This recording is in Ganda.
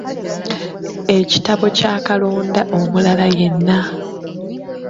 Ekitabo kya kalonda omulala yenna.